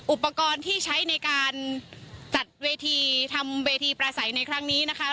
อุปกรณ์ที่ใช้ในการจัดเวทีทำเวทีประสัยในครั้งนี้นะคะ